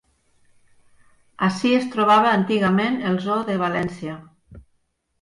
Ací es trobava antigament el zoo de València.